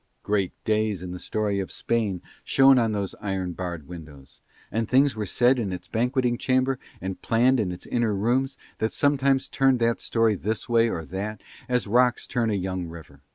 Great days in the story of Spain shone on those iron barred windows, and things were said in its banqueting chamber and planned in its inner rooms that sometimes turned that story this way or that, as rocks turn a young river.